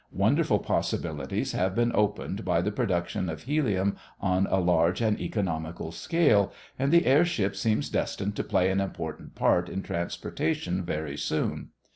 Wonderful possibilities have been opened by the production of helium on a large and economical scale, and the airship seems destined to play an important part in transportation very soon.